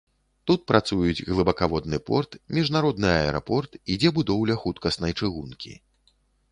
Тут працуюць глыбакаводны порт, міжнародны аэрапорт, ідзе будоўля хуткаснай чыгункі.